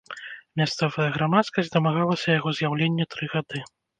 Мясцовая грамадскасць дамагалася яго з'яўлення тры гады.